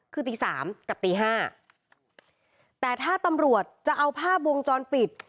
คือตีสามกับตีห้าแต่ถ้าตำรวจจะเอาภาพวงจรปิด